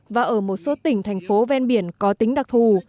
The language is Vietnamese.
và ở một số tỉnh thành phố ven biển có tính đặc thù